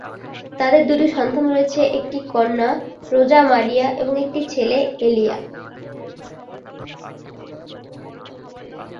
তাদের দুটি সন্তান রয়েছে একটি কন্যা, রোজা মারিয়া এবং এক ছেলে এলিয়া।